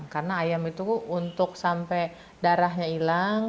karena ayam itu untuk sampai darahnya hilang